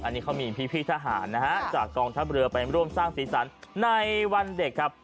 อันนี้เขามีพี่ทหารนะฮะจากกองทัพเรือไปร่วมสร้างสีสันในวันเด็กครับ